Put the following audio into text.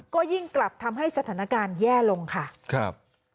ก็ยิ่งกลับทำให้สถานการณ์แย่ลงค่ะครับ